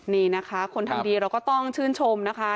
นี่นะคะคนทำดีเราก็ต้องชื่นชมนะคะ